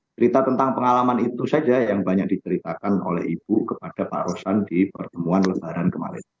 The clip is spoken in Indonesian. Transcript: cerita tentang pengalaman itu saja yang banyak diceritakan oleh ibu kepada pak rosan di pertemuan lebaran kemarin